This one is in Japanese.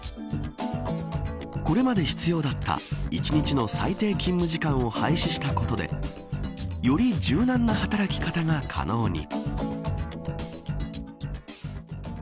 これまで必要だった１日の最低勤務時間を廃止したことでより柔軟な働き方が可能に。